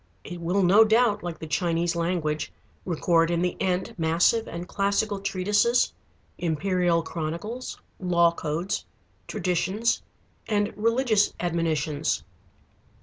It will no doubt, like the Chinese language, record in the end massive and classical treatises, imperial chronicles, law codes, traditions, and religious admonitions.